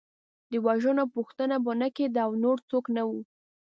د وژنو پوښتنه به نه کېده او نور څوک نه وو.